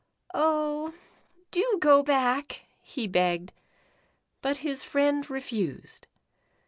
" Oh, do go back," he begged, but his friend refused.